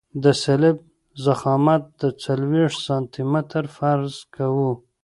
د سلب ضخامت څلوېښت سانتي متره فرض کوو